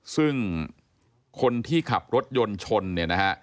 ซึ่งคนที่ขับรถยนต์ชนเนี่ยนะฮะ